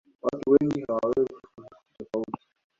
watu wengi hawawezi kuhisi tofauti